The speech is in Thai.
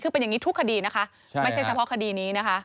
คือเป็นอย่างนี้ทุกคดีนะคะไม่ใช่เฉพาะคดีนี้นะคะ